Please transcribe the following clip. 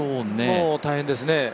もう大変ですね。